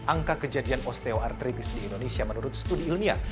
angka kejadian osteoartritis di indonesia menurut studi ilmiah